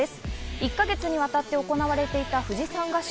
１か月にわたって行われていた富士山合宿。